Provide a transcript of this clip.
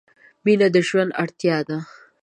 مینه د ژوند اړتیا ده.